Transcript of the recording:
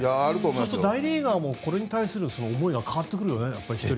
そうるると大リーガーもこれに対する思いが変わってくるよね。